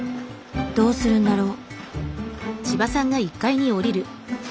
どうするんだろう。